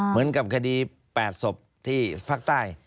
เหมือนกับคดี๘ศพที่ภาคใต้